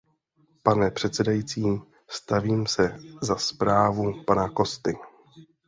Pane předsedající, stavím se za zprávu pana Costy.